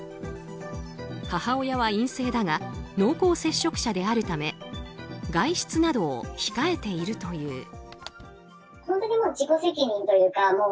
母親は陰性だが濃厚接触者であるため外出などを控えているという。